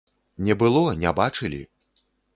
Не было, не бачылі!